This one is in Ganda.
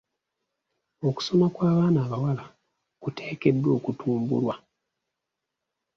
Okusoma kw'abaana abawala kuteekeddwa okutumbulwa.